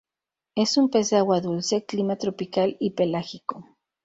Es un pez de agua dulce clima tropical y pelágico.